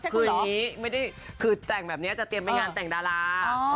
คืออย่างนี้ไม่ได้คือแต่งแบบนี้จะเตรียมไปงานแต่งดารา